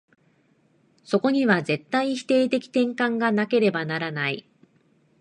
そこには絶対否定的転換がなければならない。